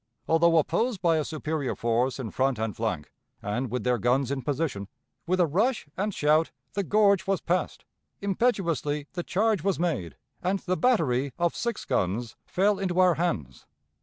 Although opposed by a superior force in front and flank, and with their guns in position, with a rush and shout the gorge was passed, impetuously the charge was made, and the battery of six guns fell into our hands.